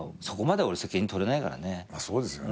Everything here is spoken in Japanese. そこまで俺責任取れないからね。